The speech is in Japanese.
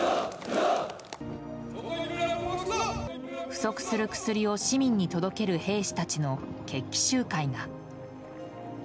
不足する薬を市民に届ける兵士たちの決起集会が。